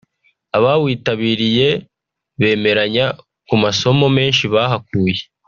abawitabiriye bemeranya ku masomo menshi bahakuye